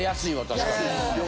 確かに。